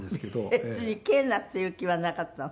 別にケーナっていう気はなかったの？